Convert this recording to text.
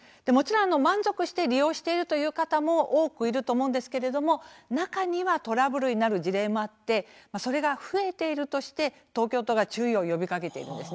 満足して利用している方も多くいると思いますが、中にはトラブルになる事例もあってそれが増えているとして東京都が注意を呼びかけています。